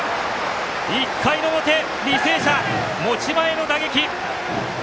１回の表、履正社持ち前の打撃。